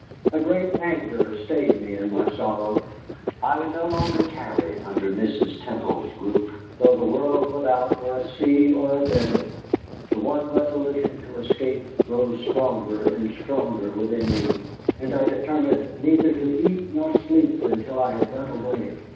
A great anger stayed me in my sorrow. I would no longer tarry under Mrs. Temple's roof, though the world without were a sea or a desert. The one resolution to escape rose stronger and stronger within me, and I determined neither to eat nor sleep until I had got away.